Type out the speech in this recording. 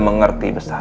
hanya dia itu